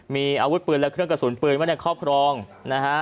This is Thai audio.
มีอาวุธปืนและเครื่องกระสุนปืนไว้ในครอบครองนะฮะ